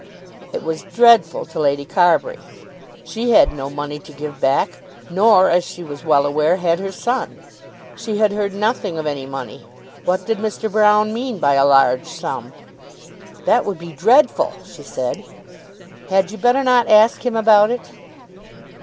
It was dreadful to Lady Carbury. She had no money to give back, nor, as she was well aware, had her son. She had heard nothing of any money. What did Mr. Broune mean by a large sum? "That would be dreadful," she said. "Had you not better ask him about it?"